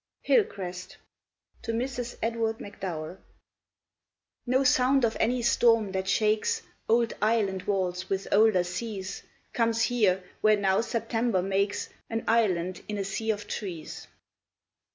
Hillcrest (To Mrs. Edward MacDowell) No sound of any storm that shakes Old island walls with older seas Comes here where now September makes An island in a sea of trees.